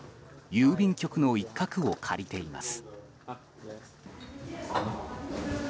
郵便局の一角を借りています。